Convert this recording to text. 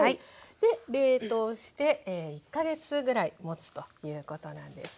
で冷凍して１か月ぐらいもつということなんですね。